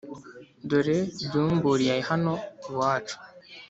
dore ryumburiye hano iwacu